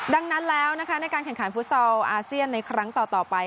ดังนั้นแล้วนะคะในการแข่งขันฟุตซอลอาเซียนในครั้งต่อไป